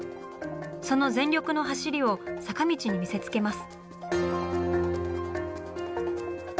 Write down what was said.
その全力の走りを坂道に見せつけます。